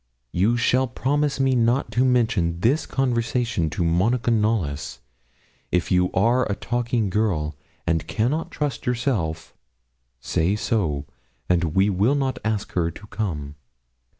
You shall promise me not to mention this conversation to Monica Knollys. If you are a talking girl, and cannot trust yourself, say so, and we will not ask her to come.